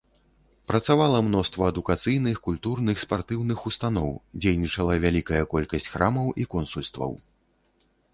Працавала мноства адукацыйных, культурных, спартыўных устаноў, дзейнічала вялікая колькасць храмаў і консульстваў.